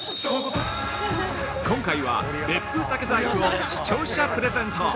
◆今回は別府竹細工を視聴者プレゼント。